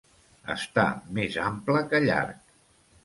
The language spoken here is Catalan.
Estar més ample que llarg.